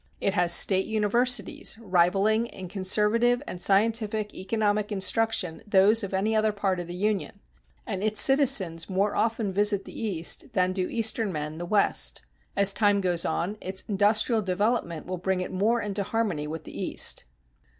It has State universities, rivaling in conservative and scientific economic instruction those of any other part of the Union, and its citizens more often visit the East, than do Eastern men the West. As time goes on, its industrial development will bring it more into harmony with the East.